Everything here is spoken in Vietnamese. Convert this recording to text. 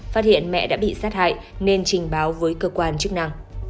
phát hiện mẹ đã bị sát hại nên trình báo với cơ quan chức năng